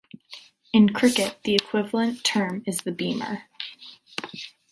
In cricket, the equivalent term is "beamer".